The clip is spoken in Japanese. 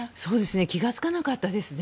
気がつかなかったですね。